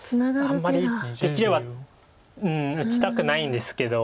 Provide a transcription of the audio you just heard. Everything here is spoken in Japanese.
あんまりできれば打ちたくないんですけど。